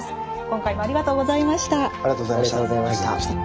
今回もありがとうございました。